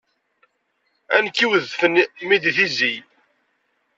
A nekk iweddfen mmi di tizi!